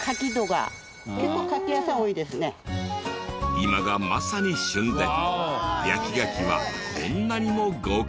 今がまさに旬で焼き牡蠣はこんなにも豪快！